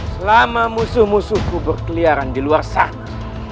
selama musuh musuhku berkeliaran di luar sana